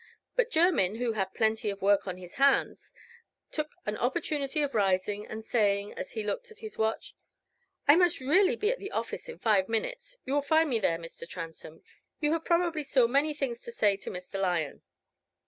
But Jermyn, who had plenty of work on his hands, took an opportunity of rising, and saying, as he looked at his watch "I must really be at the office in five minutes. You will find me there, Mr. Transome; you have probably still many things to say to Mr. Lyon."